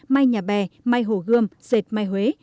may nhà bè may hồ gươm dệt may huế